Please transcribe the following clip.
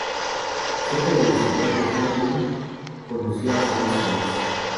Cerca de la ciudad de Haarlem, conoció a Frans Hals.